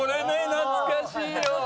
懐かしいよ。